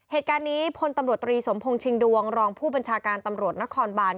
เหตุการณ์นี้พลตำรวจตรีสมพงษิงดวงรองผู้บัญชาการตำรวจนครบาน